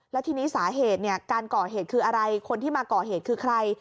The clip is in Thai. แล้วทีนี้สาเหตุเนี่ยการก่อเหตุคืออะไรคนที่มาก่อเหตุคือใคร